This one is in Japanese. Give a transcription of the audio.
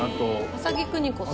麻木久仁子さん。